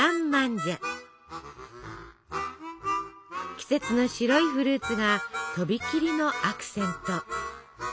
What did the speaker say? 季節の白いフルーツがとびきりのアクセント。